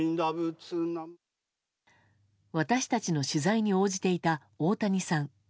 私たちの取材に応じていた大谷さん。